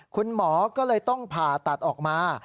คุณหมอก็เลยต้องผ่าตัดออกมา